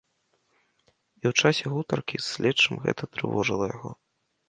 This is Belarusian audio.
І ў часе гутаркі з следчым гэта трывожыла яго.